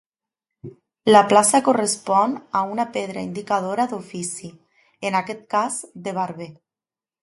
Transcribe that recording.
La plaça correspon a una pedra indicadora d'ofici, en aquest cas de barber.